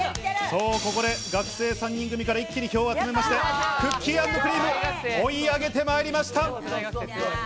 そう、ここで学生３人組から一気に票を集めまして、クッキー＆クリーム追い上げてまいりました。